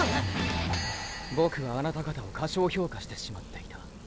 ボクはあなた方を過小評価してしまっていた。